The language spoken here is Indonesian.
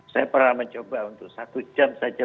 saya pernah mencoba untuk satu jam saja